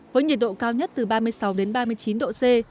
với nhiệt độ cao nhất từ ba mươi sáu đến ba mươi chín độ c